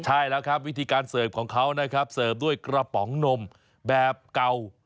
ใช่แล้วครับวิธีการเสิร์ฟของเขานะครับเสิร์ฟด้วยกระป๋องนมแบบเก่า